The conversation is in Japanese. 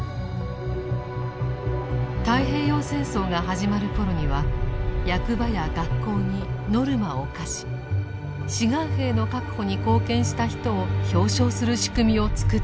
太平洋戦争が始まる頃には役場や学校にノルマを課し志願兵の確保に貢献した人を表彰する仕組みを作っていました。